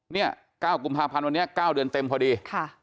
เนี่ย๙กุมภาพันธ์วันนี้๙เดือนเต็มพอดี